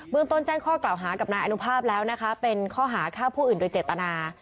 เมืองต้นแจ้งข้อกล่าวหากับนายอนุภาพแล้วนะคะเป็นข้อหาฆ่าผู้อื่นโดยเจตนา